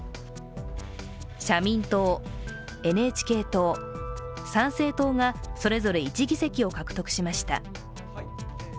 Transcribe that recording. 社民党、ＮＨＫ党、参政党がそれぞれ１議席を獲得しました。